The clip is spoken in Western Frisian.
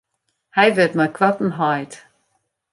Hy wurdt mei koarten heit.